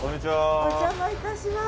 お邪魔いたします。